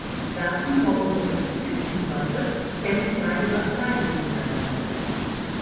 Da Seymour unterwegs flüchten konnte, kämpfen beide dort alleine gegeneinander.